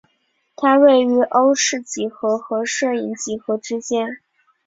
它位于欧氏几何和射影几何之间。